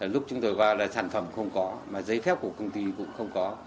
lúc chúng tôi vào là sản phẩm không có mà giấy phép của công ty cũng không có